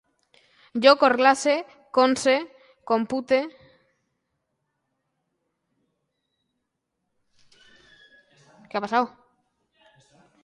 Jo corglace, consone, compute, demolisc, civilitze, confesse